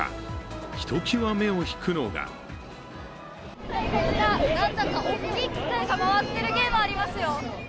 ひときわ目を引くのがこちら、何だか大きい機械が回ってるゲームありますよ。